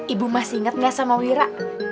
ibu masih ingat nggak sama wira